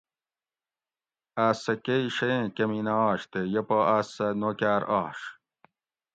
آۤس کہ کئ شئ ایں کمی نہ آش تے یہ پا آۤس سہۤ نوکاۤر آش